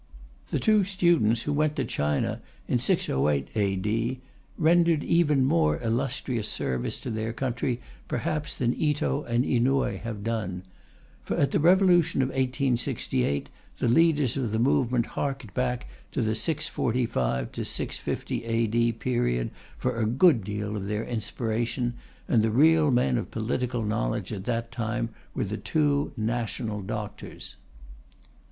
The two students who went to China in 608 A.D. "rendered even more illustrious service to their country perhaps than Ito and Inouye have done. For at the Revolution of 1868, the leaders of the movement harked back to the 645 650 A.D. period for a good deal of their inspiration, and the real men of political knowledge at that time were the two National Doctors."